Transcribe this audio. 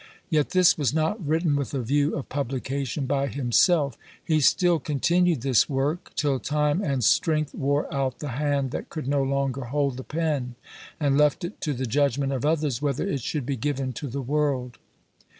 Yet this was not written with a view of publication by himself; he still continued this work, till time and strength wore out the hand that could no longer hold the pen, and left it to the judgment of others whether it should be given to the world.